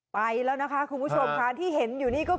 ไปแล้วนะคะคุณผู้ชมค่ะที่เห็น